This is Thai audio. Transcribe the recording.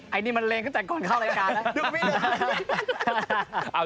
ไอนี่มันเลงตั้งแต่ก่อนเข้ารายการ